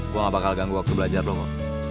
gue nggak bakal ganggu waktu belajar lo mo